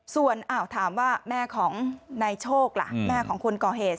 ส่วนถามว่าแม่ของนายโชคล่ะแม่ของคนก่อเหตุ